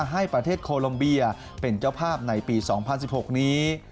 ให้ประเทศโคลมเบียเป็นเจ้าภาพในปี๒๐๑๖นี้